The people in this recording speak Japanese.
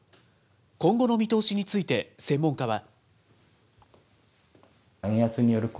今後の見通しについて専門家は。